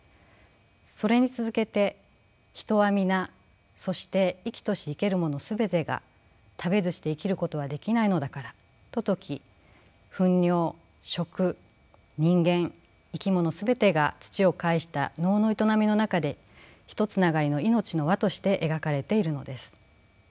それに続けて人は皆そして生きとし生けるもの全てが食べずして生きることはできないのだからと説き糞尿食人間生きもの全てが土を介した農の営みの中でひとつながりの命の環として描かれているのです。